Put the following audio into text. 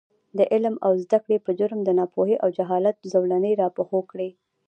د عـلم او زده کـړې پـه جـرم د نـاپـوهـۍ او جـهالـت زولـنې راپښـو کـړي .